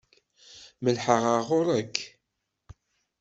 Mellḥeɣ ɣer ɣur-k?